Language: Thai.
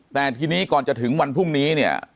แต่ทีนี้ก่อนจะถึงวันพรุ่งนี้เนี่ย